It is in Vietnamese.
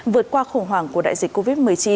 vượt qua khủng hoảng của đại dịch covid một mươi chín